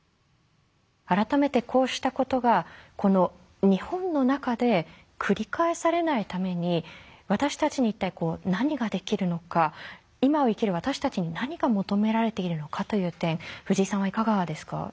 改めてこうしたことがこの日本の中で繰り返されないために私たちに一体何ができるのか今を生きる私たちに何が求められているのかという点藤井さんはいかがですか？